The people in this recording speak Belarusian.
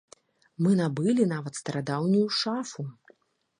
Мы набылі, нават, старадаўнюю шафу.